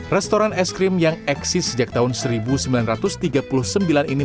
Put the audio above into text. restoran es krim yang eksis sejak tahun seribu sembilan ratus tiga puluh sembilan ini